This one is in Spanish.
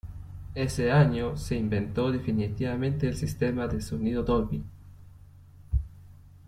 Ese año se inventó definitivamente el sistema de sonido Dolby.